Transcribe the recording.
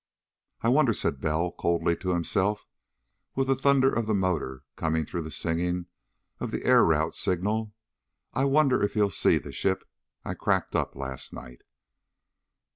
"I wonder," said Bell coldly to himself, with the thunder of the motor coming through the singing of the air route signal, "I wonder if he'll see the ship I cracked up last night?"